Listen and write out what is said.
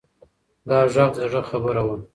دا غږ د زړه خبره وه.